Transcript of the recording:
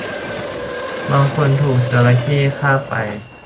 บางคนก็ถูกจระเข้คาบไป